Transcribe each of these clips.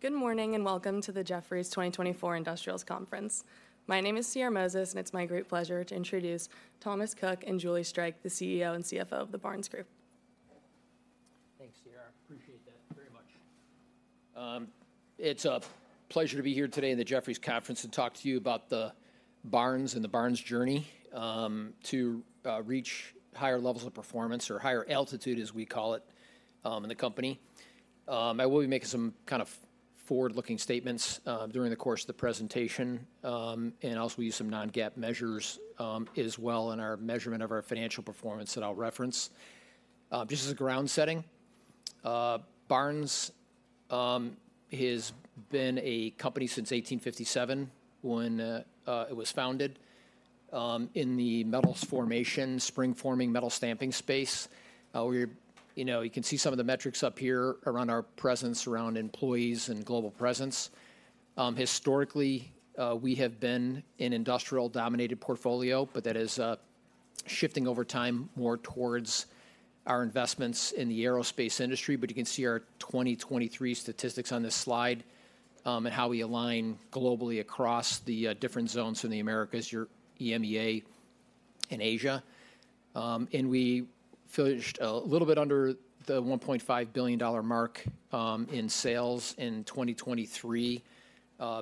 Good morning, and welcome to the Jefferies 2024 Industrials Conference. My name is Ciara Moses, and it's my great pleasure to introduce Thomas Hook and Julie Streich, the CEO and CFO of the Barnes Group. Thanks, Ciara. I appreciate that very much. It's a pleasure to be here today in the Jefferies conference to talk to you about the Barnes and the Barnes journey, to reach higher levels of performance or higher altitude, as we call it, in the company. I will be making some kind of forward-looking statements, during the course of the presentation, and also we use some non-GAAP measures, as well in our measurement of our financial performance that I'll reference. Just as a ground setting, Barnes has been a company since 1857, when it was founded, in the metals formation, spring forming, metal stamping space. We're. You know, you can see some of the metrics up here around our presence, around employees and global presence. Historically, we have been an industrial-dominated portfolio, but that is shifting over time more towards our investments in the aerospace industry. You can see our 2023 statistics on this slide, and how we align globally across the different zones in the Americas, your EMEA and Asia. We finished a little bit under the $1.5 billion mark in sales in 2023,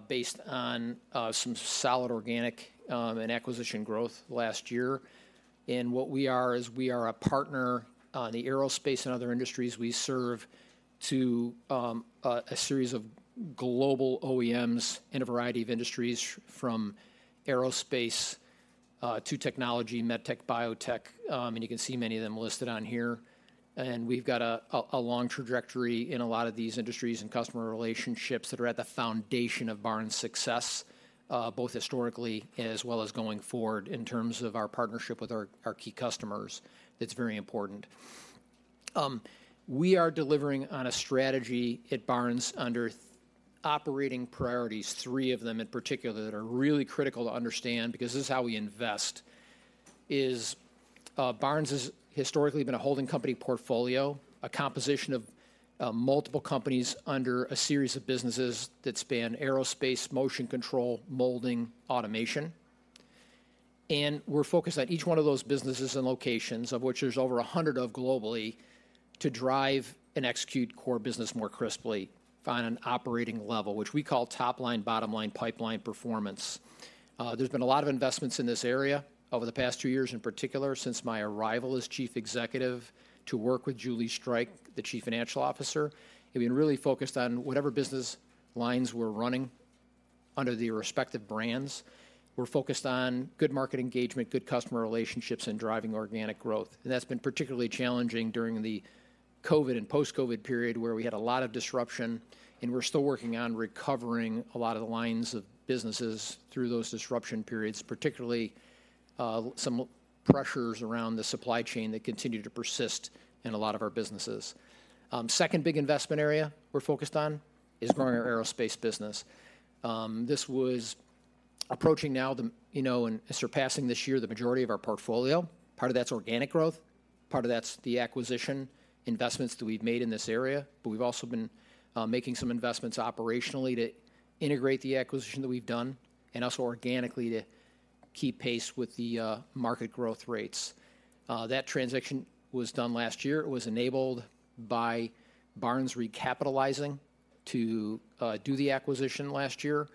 based on some solid organic and acquisition growth last year. What we are is we are a partner on the aerospace and other industries. We serve to a series of global OEMs in a variety of industries, from aerospace to technology, med tech, biotech, and you can see many of them listed on here. And we've got a long trajectory in a lot of these industries and customer relationships that are at the foundation of Barnes' success, both historically as well as going forward in terms of our partnership with our key customers. It's very important. We are delivering on a strategy at Barnes under operating priorities, three of them in particular, that are really critical to understand, because this is how we invest. Barnes has historically been a holding company portfolio, a composition of multiple companies under a series of businesses that span aerospace, motion control, molding, automation. And we're focused on each one of those businesses and locations, of which there's over a hundred of globally, to drive and execute core business more crisply on an operating level, which we call top-line, bottom-line, pipeline performance. There's been a lot of investments in this area over the past two years, in particular since my arrival as Chief Executive, to work with Julie Streich, the Chief Financial Officer. We've been really focused on whatever business lines we're running under the respective brands. We're focused on good market engagement, good customer relationships, and driving organic growth. And that's been particularly challenging during the COVID and post-COVID period, where we had a lot of disruption, and we're still working on recovering a lot of the lines of businesses through those disruption periods, particularly some pressures around the supply chain that continue to persist in a lot of our businesses. Second big investment area we're focused on is growing our aerospace business. This was approaching now the, you know, and surpassing this year, the majority of our portfolio. Part of that's organic growth, part of that's the acquisition investments that we've made in this area, but we've also been making some investments operationally to integrate the acquisition that we've done and also organically to keep pace with the market growth rates. That transaction was done last year. It was enabled by Barnes recapitalizing to do the acquisition last year,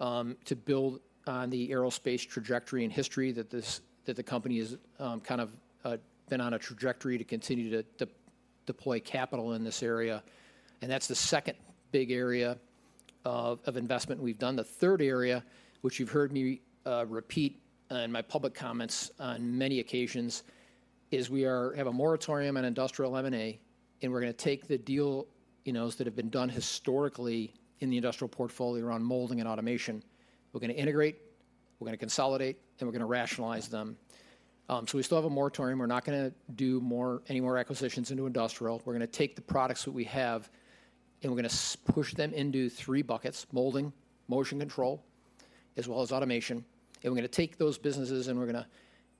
to build on the aerospace trajectory and history that the company has, kind of, been on a trajectory to continue to deploy capital in this area, and that's the second big area of investment we've done. The third area, which you've heard me repeat in my public comments on many occasions, is we are... have a moratorium on industrial M&A, and we're gonna take the deals, you know, that have been done historically in the industrial portfolio around molding and automation. We're gonna integrate, we're gonna consolidate, then we're gonna rationalize them. So we still have a moratorium. We're not gonna do more, any more acquisitions into industrial. We're gonna take the products that we have, and we're gonna push them into three buckets: molding, motion control, as well as automation. And we're gonna take those businesses, and we're gonna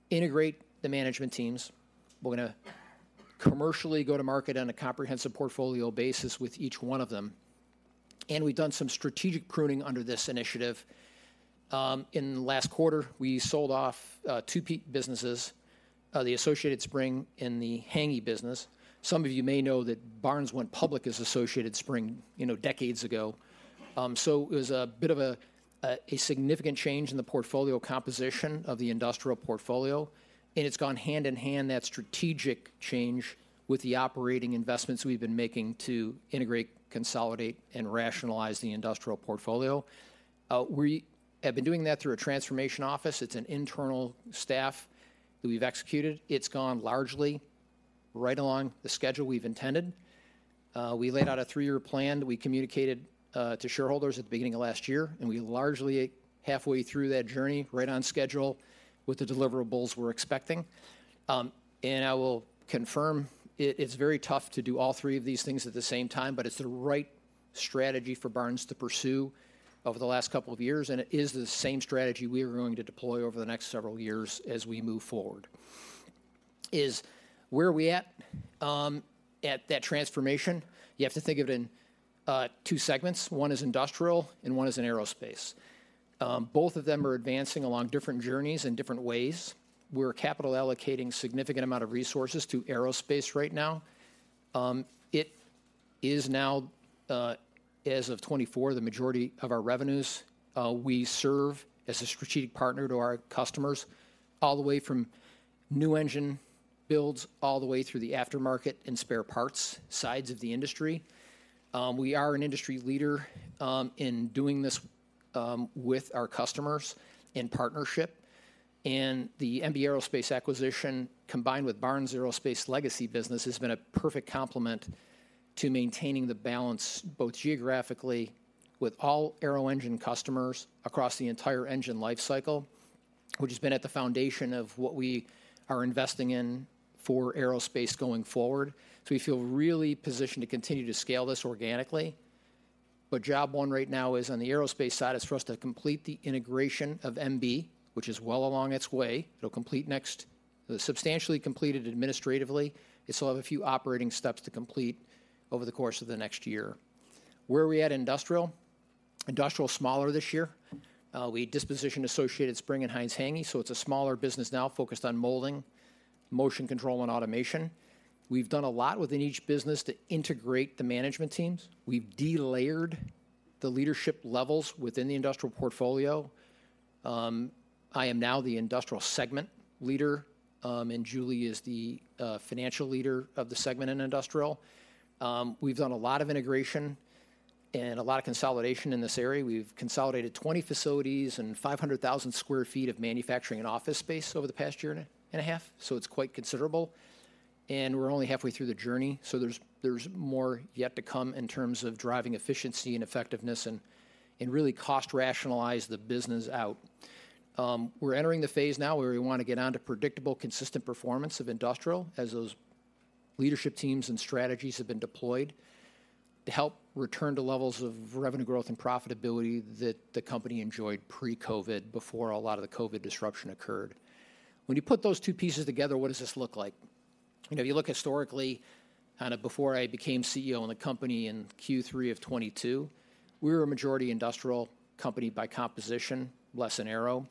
integrate the management teams. We're gonna commercially go to market on a comprehensive portfolio basis with each one of them, and we've done some strategic pruning under this initiative. In the last quarter, we sold off two businesses, the Associated Spring and the Hänggi business. Some of you may know that Barnes went public as Associated Spring, you know, decades ago. So it was a bit of a significant change in the portfolio composition of the industrial portfolio, and it's gone hand in hand, that strategic change, with the operating investments we've been making to integrate, consolidate, and rationalize the industrial portfolio. We have been doing that through a transformation office. It's an internal staff that we've executed. It's gone largely right along the schedule we've intended. We laid out a three-year plan that we communicated to shareholders at the beginning of last year, and we largely halfway through that journey, right on schedule with the deliverables we're expecting. And I will confirm it, it's very tough to do all three of these things at the same time, but it's the right strategy for Barnes to pursue over the last couple of years, and it is the same strategy we are going to deploy over the next several years as we move forward.... Is where are we at, at that transformation? You have to think of it in, two segments. One is industrial and one is in aerospace. Both of them are advancing along different journeys in different ways. We're capital allocating significant amount of resources to aerospace right now. It is now, as of 2024, the majority of our revenues. We serve as a strategic partner to our customers, all the way from new engine builds, all the way through the aftermarket and spare parts sides of the industry. We are an industry leader in doing this with our customers in partnership, and the MB Aerospace acquisition, combined with Barnes Aerospace legacy business, has been a perfect complement to maintaining the balance, both geographically with all aero engine customers across the entire engine life cycle, which has been at the foundation of what we are investing in for aerospace going forward. So we feel really positioned to continue to scale this organically. But job one right now is, on the aerospace side, for us to complete the integration of MB, which is well along its way. It'll complete substantially completed administratively. It still have a few operating steps to complete over the course of the next year. Where are we at in industrial? Industrial is smaller this year. We dispositioned Associated Spring and Hänggi, so it's a smaller business now focused on molding, motion control, and automation. We've done a lot within each business to integrate the management teams. We've de-layered the leadership levels within the industrial portfolio. I am now the industrial segment leader, and Julie is the financial leader of the segment in industrial. We've done a lot of integration and a lot of consolidation in this area. We've consolidated 20 facilities and 500,000 sq ft of manufacturing and office space over the past year and a half, so it's quite considerable, and we're only halfway through the journey, so there's more yet to come in terms of driving efficiency and effectiveness and really cost rationalize the business out. We're entering the phase now where we want to get on to predictable, consistent performance of industrial as those leadership teams and strategies have been deployed to help return to levels of revenue growth and profitability that the company enjoyed pre-COVID, before a lot of the COVID disruption occurred. When you put those two pieces together, what does this look like? You know, if you look historically, kind of before I became CEO in the company in Q3 of 2022, we were a majority industrial company by composition, less in aero.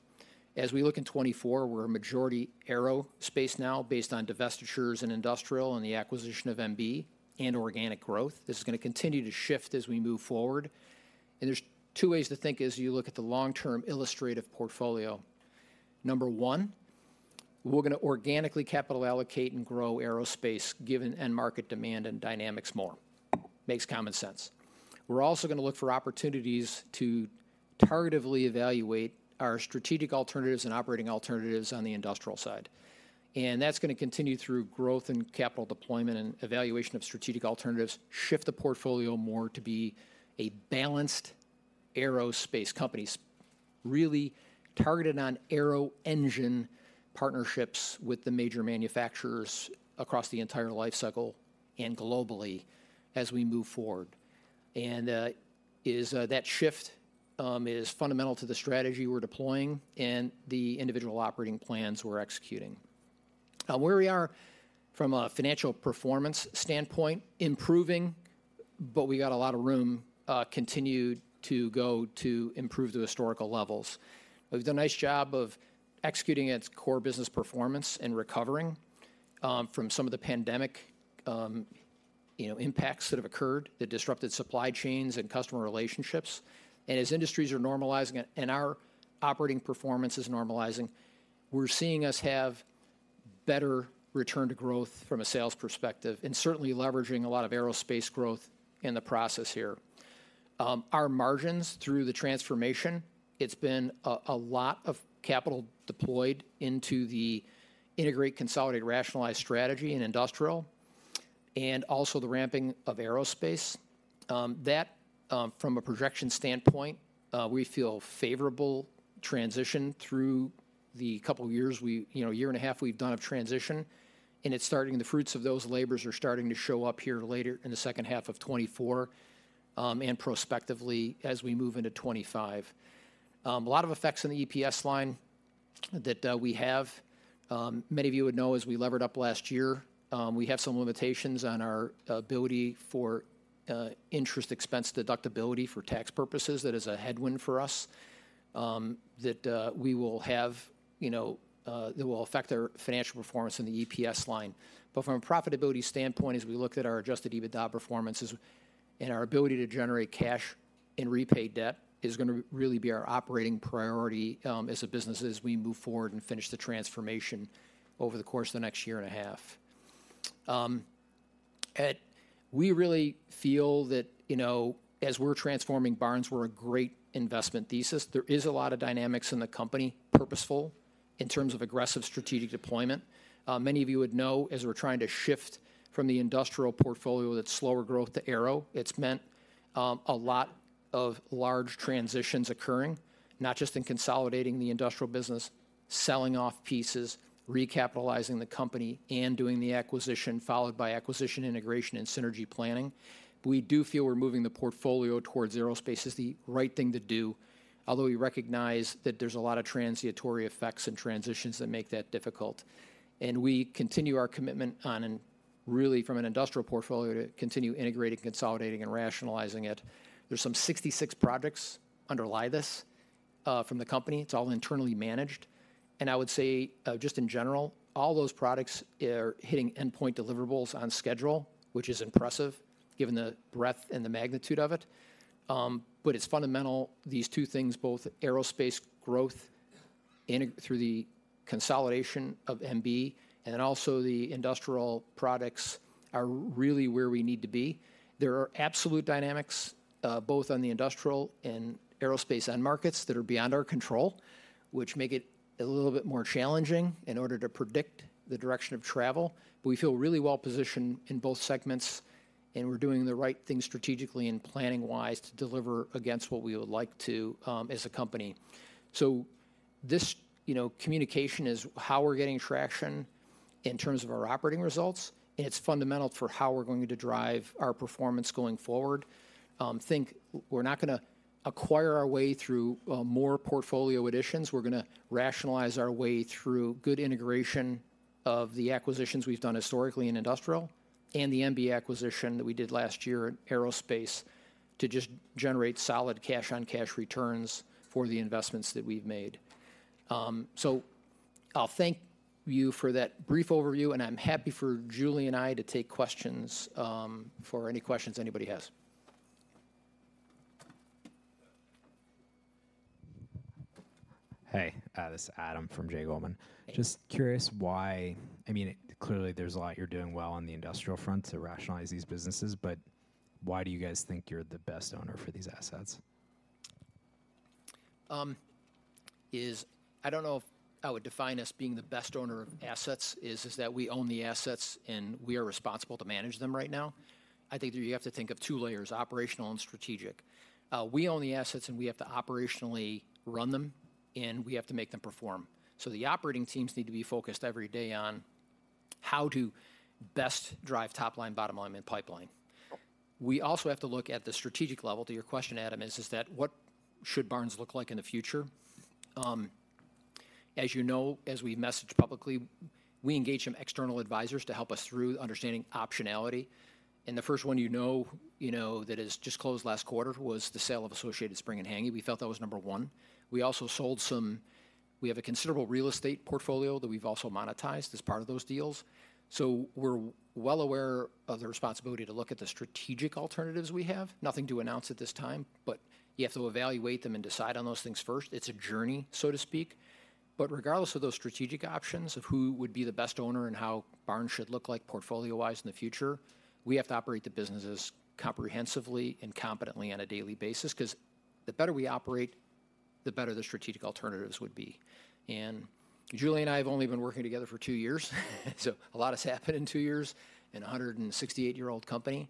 As we look in 2024, we're a majority aerospace now, based on divestitures in industrial and the acquisition of MB and organic growth. This is gonna continue to shift as we move forward, and there's two ways to think as you look at the long-term illustrative portfolio. Number one, we're gonna organically capital allocate and grow aerospace, given end market demand and dynamics more. Makes common sense. We're also gonna look for opportunities to targetedly evaluate our strategic alternatives and operating alternatives on the industrial side, and that's gonna continue through growth and capital deployment and evaluation of strategic alternatives, shift the portfolio more to be a balanced aerospace company, really targeted on aero engine partnerships with the major manufacturers across the entire life cycle and globally as we move forward. And that shift is fundamental to the strategy we're deploying and the individual operating plans we're executing. Where we are from a financial performance standpoint, improving, but we got a lot of room continued to go to improve the historical levels. We've done a nice job of executing its core business performance and recovering from some of the pandemic, you know, impacts that have occurred that disrupted supply chains and customer relationships. And as industries are normalizing and our operating performance is normalizing, we're seeing us have better return to growth from a sales perspective, and certainly leveraging a lot of aerospace growth in the process here. Our margins through the transformation, it's been a lot of capital deployed into the integrate, consolidate, rationalize strategy in industrial, and also the ramping of aerospace. That, from a projection standpoint, we feel favorable transition, you know, year and a half we've done of transition, and it's starting, the fruits of those labors are starting to show up here later in the second half of 2024, and prospectively as we move into 2025. A lot of effects in the EPS line that we have. Many of you would know as we levered up last year, we have some limitations on our ability for interest expense deductibility for tax purposes. That is a headwind for us, that we will have, you know. It will affect our financial performance in the EPS line. But from a profitability standpoint, as we look at our Adjusted EBITDA performances and our ability to generate cash and repay debt, is gonna really be our operating priority, as a business as we move forward and finish the transformation over the course of the next year and a half. We really feel that, you know, as we're transforming Barnes, we're a great investment thesis. There is a lot of dynamics in the company, purposeful in terms of aggressive strategic deployment. Many of you would know, as we're trying to shift from the industrial portfolio that's slower growth to aero, it's meant a lot of large transitions occurring, not just in consolidating the industrial business, selling off pieces, recapitalizing the company, and doing the acquisition, followed by acquisition, integration, and synergy planning. We do feel we're moving the portfolio towards aerospace is the right thing to do, although we recognize that there's a lot of transitory effects and transitions that make that difficult, and we continue our commitment on really from an industrial portfolio to continue integrating, consolidating, and rationalizing it. There's some 66 projects underlie this from the company. It's all internally managed, and I would say just in general, all those products are hitting endpoint deliverables on schedule, which is impressive given the breadth and the magnitude of it, but it's fundamental, these two things, both aerospace growth through the consolidation of MB, and then also the industrial products, are really where we need to be. There are absolute dynamics both on the industrial and aerospace end markets that are beyond our control, which make it a little bit more challenging in order to predict the direction of travel, but we feel really well positioned in both segments, and we're doing the right thing strategically and planning-wise to deliver against what we would like to as a company, so this, you know, communication is how we're getting traction in terms of our operating results, and it's fundamental for how we're going to drive our performance going forward. We're not gonna acquire our way through more portfolio additions. We're gonna rationalize our way through good integration of the acquisitions we've done historically in industrial and the MB acquisition that we did last year in aerospace, to just generate solid cash-on-cash returns for the investments that we've made. So I'll thank you for that brief overview, and I'm happy for Julie and I to take questions for any questions anybody has. Hey, this is Adam from J. Goldman. Just curious why, I mean, clearly, there's a lot you're doing well on the industrial front to rationalize these businesses, but why do you guys think you're the best owner for these assets? I don't know if I would define us being the best owner of assets, is that we own the assets, and we are responsible to manage them right now. I think that you have to think of two layers: operational and strategic. We own the assets, and we have to operationally run them, and we have to make them perform. So the operating teams need to be focused every day on how to best drive top line, bottom line, and pipeline. We also have to look at the strategic level, to your question, Adam, is that, what should Barnes look like in the future? As you know, as we've messaged publicly, we engaged some external advisors to help us through understanding optionality. And the first one you know that has just closed last quarter was the sale of Associated Spring and Hänggi. We felt that was number one. We also sold some. We have a considerable real estate portfolio that we've also monetized as part of those deals. So we're well aware of the responsibility to look at the strategic alternatives we have. Nothing to announce at this time, but you have to evaluate them and decide on those things first. It's a journey, so to speak. But regardless of those strategic options, of who would be the best owner and how Barnes should look like portfolio-wise in the future, we have to operate the businesses comprehensively and competently on a daily basis, 'cause the better we operate, the better the strategic alternatives would be. Julie and I have only been working together for two years, so a lot has happened in two years in a hundred and sixty-eight-year-old company.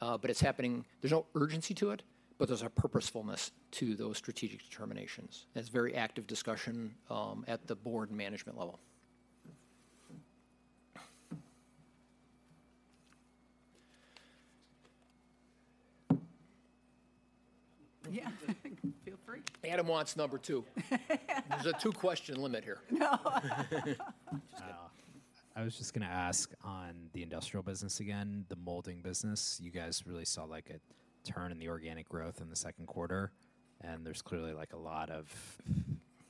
But it's happening. There's no urgency to it, but there's a purposefulness to those strategic determinations. That's very active discussion at the board and management level. Yeah, feel free. Adam wants number two. There's a two-question limit here. No. I was just gonna ask on the industrial business again, the molding business. You guys really saw, like, a turn in the organic growth in the second quarter, and there's clearly, like, a lot of,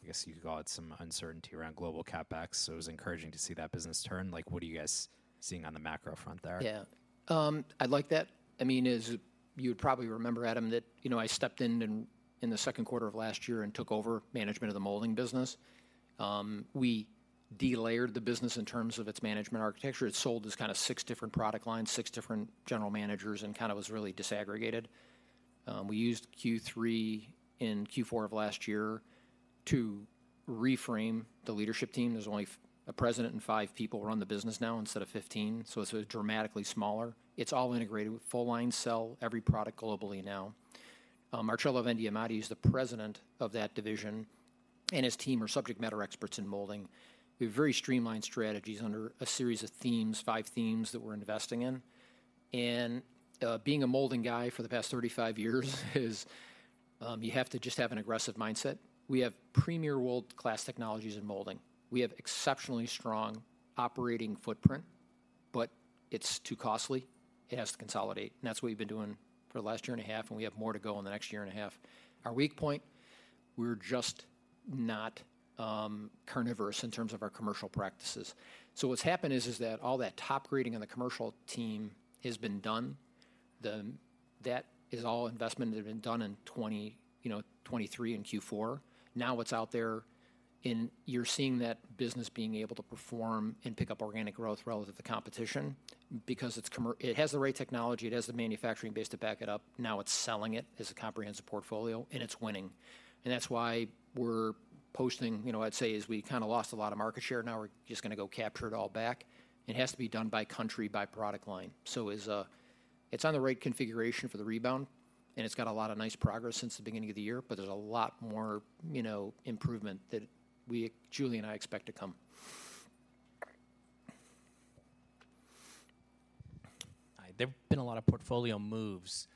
I guess you could call it, some uncertainty around global CapEx. So it was encouraging to see that business turn. Like, what are you guys seeing on the macro front there? Yeah. I'd like that. I mean, as you would probably remember, Adam, that, you know, I stepped in in, in the second quarter of last year and took over management of the molding business. We delayered the business in terms of its management architecture. It sold as kind of six different product lines, six different general managers, and kind of was really disaggregated. We used Q3 and Q4 of last year to reframe the leadership team. There's only a president and five people run the business now instead of fifteen, so it's dramatically smaller. It's all integrated with full line sell, every product globally now. Marcello Vendemiati is the president of that division, and his team are subject matter experts in molding. We have very streamlined strategies under a series of themes, five themes that we're investing in. Being a molding guy for the past thirty-five years is, you have to just have an aggressive mindset. We have premier world-class technologies in molding. We have exceptionally strong operating footprint, but it's too costly. It has to consolidate, and that's what we've been doing for the last year and a half, and we have more to go in the next year and a half. Our weak point, we're just not carnivorous in terms of our commercial practices. So what's happened is that all that top grading on the commercial team has been done. That is all investment that had been done in 20, you know, 2023 in Q4. Now, what's out there in—you're seeing that business being able to perform and pick up organic growth relative to competition because it's commercial. It has the right technology, it has the manufacturing base to back it up. Now, it's selling it as a comprehensive portfolio, and it's winning. And that's why we're positioned, you know. I'd say, as we kind of lost a lot of market share. Now, we're just gonna go capture it all back. It has to be done by country, by product line. So, as it's on the right configuration for the rebound, and it's got a lot of nice progress since the beginning of the year, but there's a lot more, you know, improvement that we, Julie and I, expect to come.... There have been a lot of portfolio moves.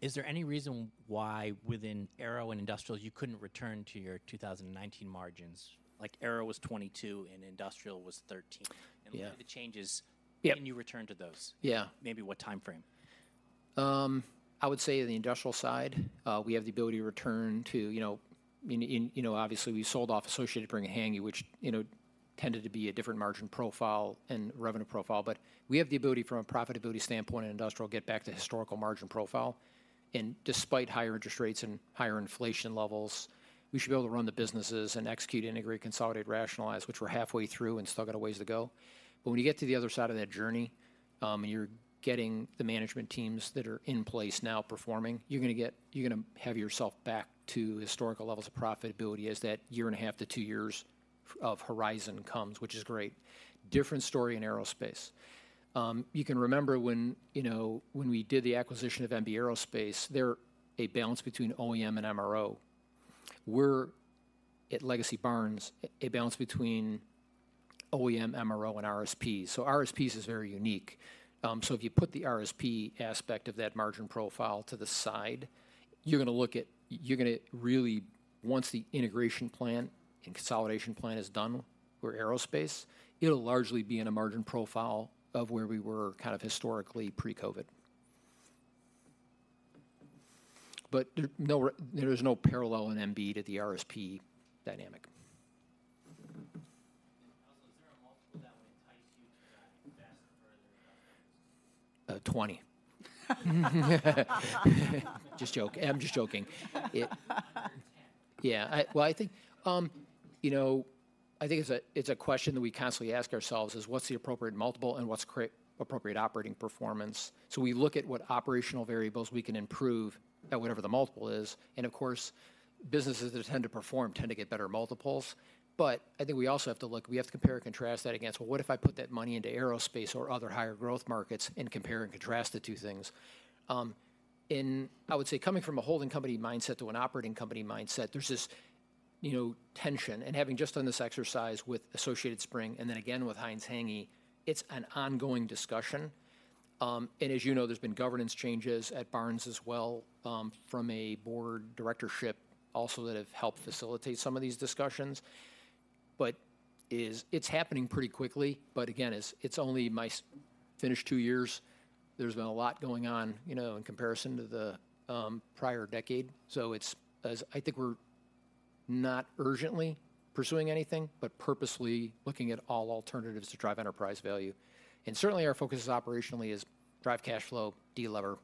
Is there any reason why within Aero and Industrial, you couldn't return to your 2019 margins? Like, Aero was 22%, and Industrial was 13%. Yeah. Look at the changes- Yeah. When you return to those? Yeah. Maybe what timeframe? I would say the industrial side, we have the ability to return to, you know. You know, obviously, we sold off Associated Spring and Hänggi, which, you know, tended to be a different margin profile and revenue profile. But we have the ability, from a profitability standpoint in industrial, get back to historical margin profile. And despite higher interest rates and higher inflation levels, we should be able to run the businesses and execute, integrate, consolidate, rationalize, which we're halfway through and still got a ways to go. But when you get to the other side of that journey, you're getting the management teams that are in place now performing. You're gonna get-- You're gonna have yourself back to historical levels of profitability as that year and a half to two years of horizon comes, which is great. Different story in aerospace. You can remember when, you know, when we did the acquisition of MB Aerospace, they're a balance between OEM and MRO. We're, at legacy Barnes, a balance between OEM, MRO, and RSPs. So RSPs is very unique. So if you put the RSP aspect of that margin profile to the side, you're gonna look at... You're gonna really, once the integration plan and consolidation plan is done for aerospace, it'll largely be in a margin profile of where we were kind of historically pre-COVID. But there is no parallel in MB to the RSP dynamic. Also, is there a multiple that would entice you to dive in faster and further than others? Twenty. Just joking. I'm just joking. Well, I think, you know, I think it's a question that we constantly ask ourselves: What's the appropriate multiple, and what's the appropriate operating performance? So we look at what operational variables we can improve at whatever the multiple is. And of course, businesses that tend to perform tend to get better multiples. But I think we also have to look; we have to compare and contrast that against, "Well, what if I put that money into aerospace or other higher growth markets?" and compare and contrast the two things. And I would say, coming from a holding company mindset to an operating company mindset, there's this, you know, tension. And having just done this exercise with Associated Spring and then again with Hänggi, it's an ongoing discussion. And as you know, there's been governance changes at Barnes as well, from a board directorship also that have helped facilitate some of these discussions. But it's happening pretty quickly, but again, it's only been two years. There's been a lot going on, you know, in comparison to the prior decade. So, I think we're not urgently pursuing anything, but purposely looking at all alternatives to drive enterprise value. And certainly, our focus operationally is drive cash flow, delever,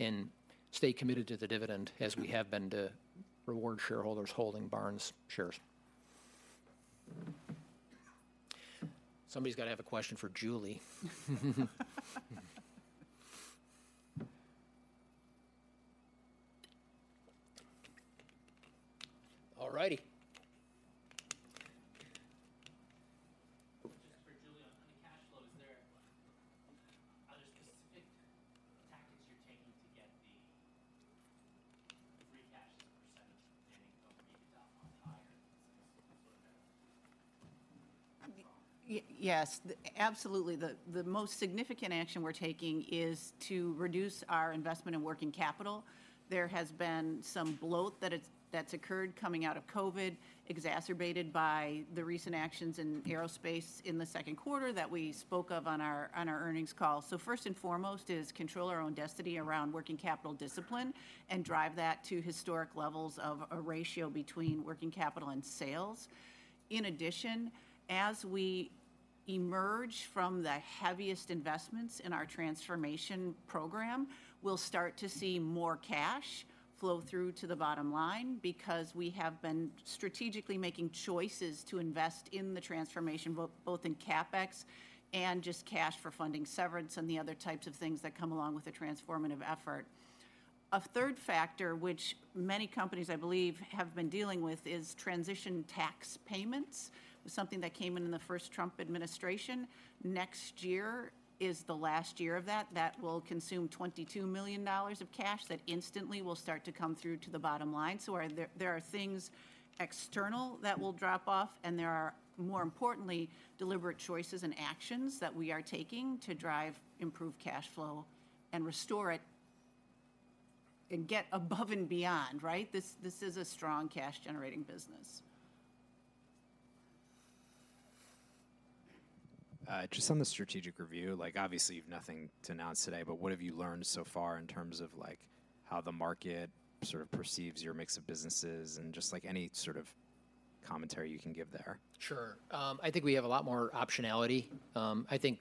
and stay committed to the dividend as we have been to reward shareholders holding Barnes shares. Somebody's got to have a question for Julie. All righty. Just for Julie, on the cash flow, are there specific tactics you're taking to get the free cash as a % of EBITDA higher? Yes, absolutely. The most significant action we're taking is to reduce our investment in working capital. There has been some bloat that's occurred coming out of COVID, exacerbated by the recent actions in aerospace in the second quarter that we spoke of on our earnings call. So first and foremost is control our own destiny around working capital discipline and drive that to historic levels of a ratio between working capital and sales. In addition, as we emerge from the heaviest investments in our transformation program, we'll start to see more cash flow through to the bottom line because we have been strategically making choices to invest in the transformation, both in CapEx and just cash for funding severance and the other types of things that come along with a transformative effort. A third factor, which many companies I believe have been dealing with, is transition tax payments. It was something that came in in the first Trump administration. Next year is the last year of that. That will consume $22 million of cash that instantly will start to come through to the bottom line. So there are things external that will drop off, and there are, more importantly, deliberate choices and actions that we are taking to drive improved cash flow and restore it, and get above and beyond, right? This is a strong cash-generating business. Just on the strategic review, like, obviously, you've nothing to announce today, but what have you learned so far in terms of, like, how the market sort of perceives your mix of businesses and just, like, any sort of commentary you can give there? Sure. I think we have a lot more optionality. I think,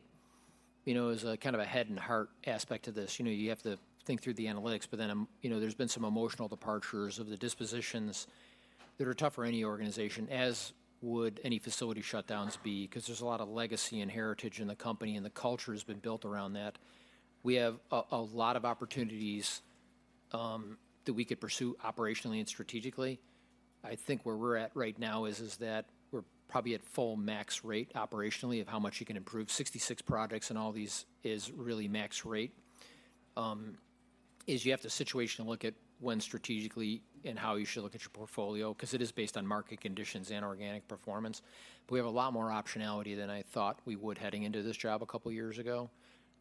you know, as a kind of a head and heart aspect to this, you know, you have to think through the analytics, but then, you know, there's been some emotional departures of the dispositions that are tough for any organization, as would any facility shutdowns be, 'cause there's a lot of legacy and heritage in the company, and the culture has been built around that. We have a lot of opportunities that we could pursue operationally and strategically. I think where we're at right now is that we're probably at full max rate operationally of how much you can improve. Sixty-six projects and all these is really max rate.... Is you have to situationally look at when strategically and how you should look at your portfolio, because it is based on market conditions and organic performance. We have a lot more optionality than I thought we would heading into this job a couple years ago.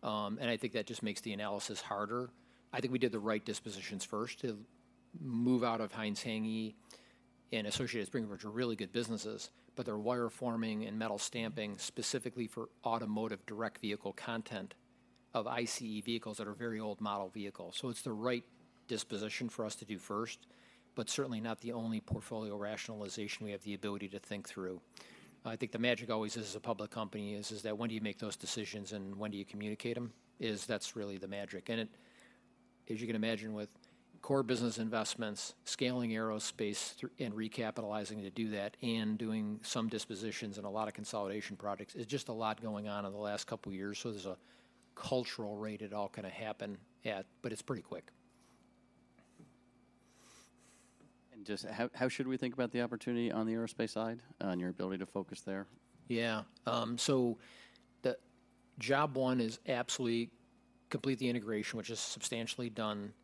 And I think that just makes the analysis harder. I think we did the right dispositions first to move out of Hänggi and Associated Spring, which are really good businesses, but they're wire forming and metal stamping specifically for automotive direct vehicle content of ICE vehicles that are very old model vehicles. So it's the right disposition for us to do first, but certainly not the only portfolio rationalization we have the ability to think through. I think the magic always is, as a public company, is that when do you make those decisions and when do you communicate them? That's really the magic. And as you can imagine, with core business investments, scaling aerospace and recapitalizing to do that, and doing some dispositions and a lot of consolidation projects, it's just a lot going on in the last couple years. So there's a certain rate at which it's all going to happen at, but it's pretty quick. And just how should we think about the opportunity on the aerospace side, on your ability to focus there? Yeah. So the job one is absolutely complete the integration, which is substantially done,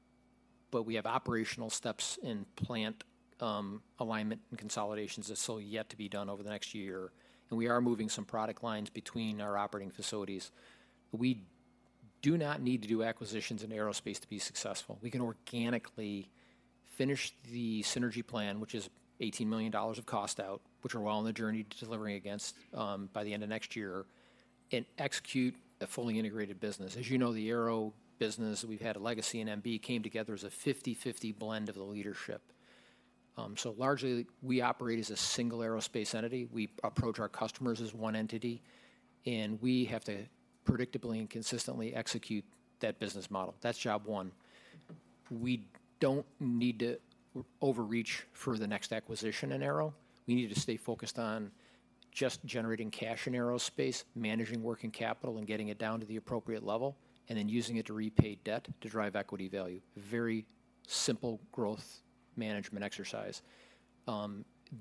but we have operational steps in plant, alignment and consolidations that are still yet to be done over the next year, and we are moving some product lines between our operating facilities. We do not need to do acquisitions in aerospace to be successful. We can organically finish the synergy plan, which is $18 million of cost out, which we're well on the journey to delivering against, by the end of next year, and execute a fully integrated business. As you know, the aero business, we've had a legacy, and MB came together as a fifty/fifty blend of the leadership. So largely, we operate as a single aerospace entity. We approach our customers as one entity, and we have to predictably and consistently execute that business model. That's job one. We don't need to overreach for the next acquisition in aero. We need to stay focused on just generating cash in aerospace, managing working capital and getting it down to the appropriate level, and then using it to repay debt to drive equity value. Very simple growth management exercise.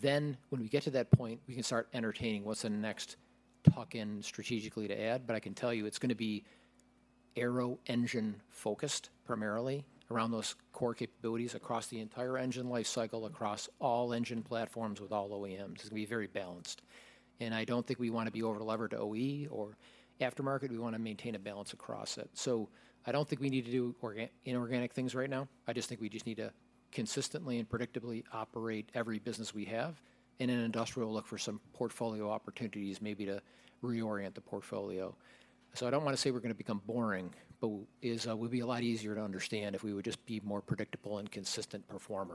Then when we get to that point, we can start entertaining what's the next tuck-in strategically to add, but I can tell you it's going to be aero-engine focused, primarily around those core capabilities across the entire engine life cycle, across all engine platforms with all OEMs. It's going to be very balanced, and I don't think we want to be over-levered to OE or aftermarket. We want to maintain a balance across it. So I don't think we need to do inorganic things right now. I just think we just need to consistently and predictably operate every business we have, and in industrial, look for some portfolio opportunities, maybe to reorient the portfolio. So I don't want to say we're going to become boring, but it would be a lot easier to understand if we would just be more predictable and consistent performers.